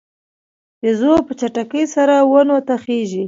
بیزو په چټکۍ سره ونو ته خیژي.